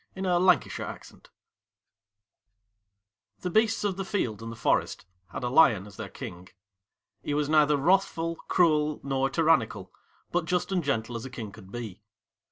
The Kingdom of the Lion THE BEASTS of the field and forest had a Lion as their king. He was neither wrathful, cruel, nor tyrannical, but just and gentle as a king could be.